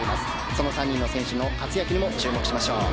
その３人の選手の活躍にも期待しましょう。